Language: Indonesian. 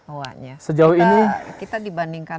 owa nya sejauh ini kita dibandingkan